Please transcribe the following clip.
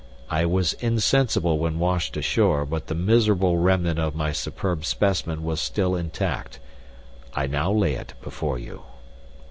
I was insensible when washed ashore, but the miserable remnant of my superb specimen was still intact; I now lay it before you."